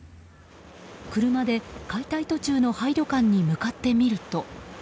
車で解体途中の廃旅館に向かってみると。